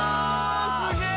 すげえ！